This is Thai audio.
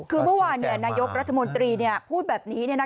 คือเมื่อวานนายกรัฐมนตรีพูดแบบนี้